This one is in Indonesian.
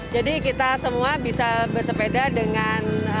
jadi kita semua bisa bersepeda dengan sepeda yang lebih baik